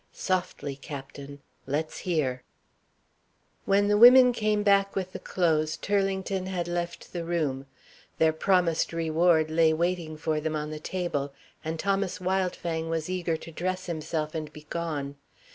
"Softly, captain. Let's hear." When the women came back with the clothes, Turlington had left the room. Their promised reward lay waiting for them on the table, and Thomas Wildfang was eager to dress himself and be gone.